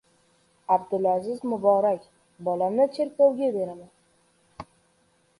Abdulaziz Muborak: "Bolamni cherkovga beraman..."